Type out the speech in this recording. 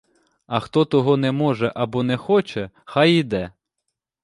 А хто того не може або не хоче, хай іде.